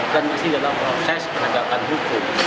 dan masih dalam proses penegakan hukum